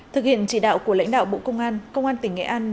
thực hiện chỉ đạo của lãnh đạo bộ công an công an tỉnh nghệ an